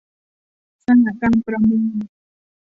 สหการประมูล